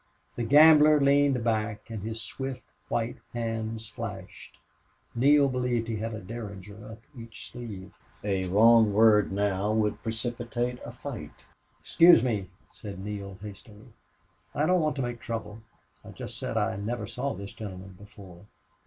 The gambler leaned back and his swift white hands flashed. Neale believed he had a derringer up each sleeve. A wrong word now would precipitate a fight. "Excuse me," said Neale, hastily. "I don't want to make trouble. I just said I never saw this gentleman before."